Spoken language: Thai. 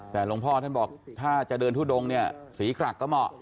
แต่หลวงพ่อท่านบอกถ้าจะเดินทุดงเนี่ยสีกรักก็เหมาะ